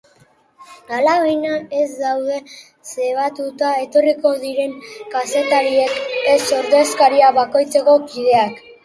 Alabaina, ez daude zebatuta etorriko diren kazetariak ez ordezkaritza bakoitzeko kideak.